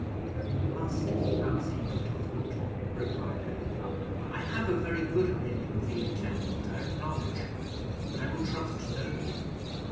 "You must keep our secret, Oswald," replied Edward. "I have a very good opinion of the intendant, I acknowledge; but I will trust nobody."